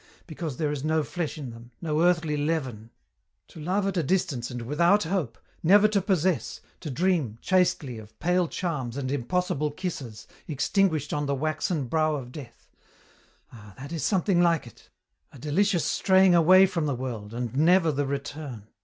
Because there is no flesh in them, no earthly leaven. "To love at a distance and without hope; never to possess; to dream chastely of pale charms and impossible kisses extinguished on the waxen brow of death: ah, that is something like it. A delicious straying away from the world, and never the return.